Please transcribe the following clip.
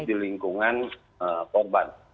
di lingkungan korban